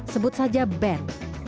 sebut saja ben